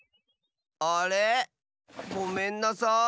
あれごめんなさい。